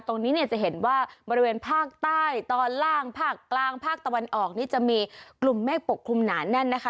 ตรงนี้เนี่ยจะเห็นว่าบริเวณภาคใต้ตอนล่างภาคกลางภาคตะวันออกนี่จะมีกลุ่มเมฆปกคลุมหนาแน่นนะคะ